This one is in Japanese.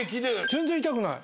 全然痛くない。